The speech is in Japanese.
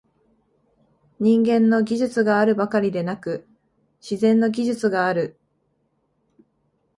人間の技術があるばかりでなく、「自然の技術」がある。